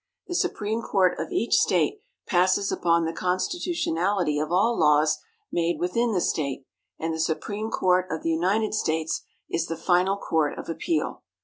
The Supreme Court of each State passes upon the constitutionality of all laws made within the State, and the Supreme Court of the United States is the final Court of appeal.